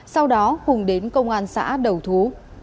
sau đó hùng đến công an xã đầu thú